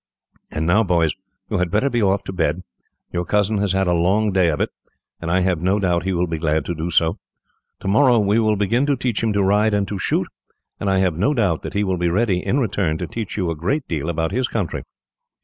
"And now, boys, you had better be off to bed. Your cousin has had a long day of it, and I have no doubt he will be glad to do so. Tomorrow we will begin to teach him to ride and to shoot, and I have no doubt that he will be ready, in return, to teach you a great deal about his country."